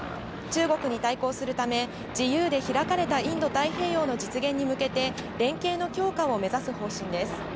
中国に対抗するため自由で開かれたインド太平洋の実現に向けて、連携の強化を目指す方針です。